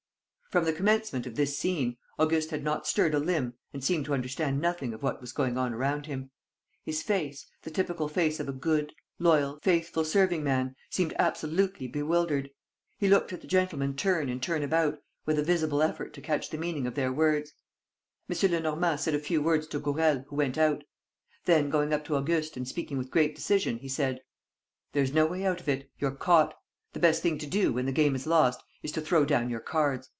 From the commencement of this scene, Auguste had not stirred a limb and seemed to understand nothing of what was going on around him. His face, the typical face of a good, loyal, faithful serving man, seemed absolutely bewildered. He looked at the gentlemen turn and turn about, with a visible effort to catch the meaning of their words. M. Lenormand said a few words to Gourel, who went out. Then, going up to Auguste and speaking with great decision, he said: "There's no way out of it. You're caught. The best thing to do, when the game is lost, is to throw down your cards.